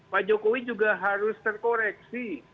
pak jokowi juga harus terkoreksi